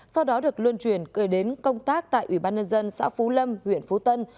sau đó được luân truyền cười đến công tác tại ủy ban nhân dân xã phú lâm huyện phú tân